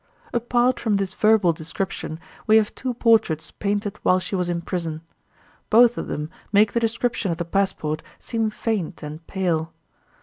Apart from this verbal description we have two portraits painted while she was in prison. Both of them make the description of the passport seem faint and pale.